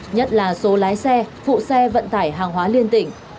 nhất là số lái xe phụ xe vận tải hàng hóa liên tỉnh